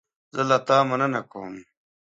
زه له تا مننه کوم.